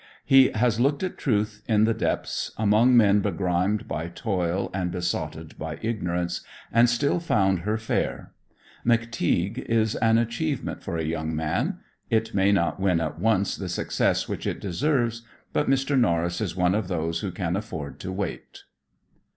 He has looked at truth in the depths, among men begrimed by toil and besotted by ignorance, and still found her fair. "McTeague" is an achievement for a young man. It may not win at once the success which it deserves, but Mr. Norris is one of those who can afford to wait.